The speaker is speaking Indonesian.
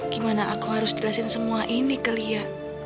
gimana aku harus jelasin semua ini ke lia